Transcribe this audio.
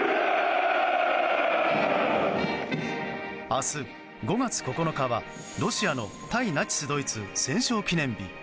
明日５月９日は、ロシアの対ナチスドイツ戦勝記念日。